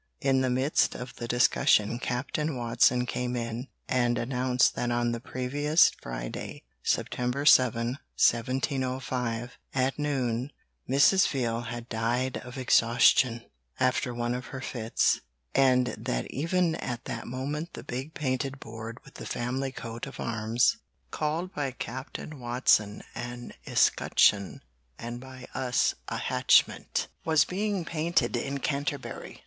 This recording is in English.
In the midst of the discussion Captain Watson came in and announced that on the previous Friday September 7, 1705 at noon, Mrs. Veal had died of exhaustion, after one of her fits; and that even at that moment the big painted board with the family coat of arms called by Captain Watson an 'escutcheon' and by us a 'hatchment' was being painted in Canterbury.